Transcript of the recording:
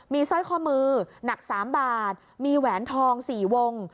มีสร้อยข้อมือหนัก๓บาทมีแหวนทอง๔วง